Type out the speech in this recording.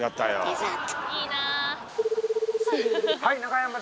デザート。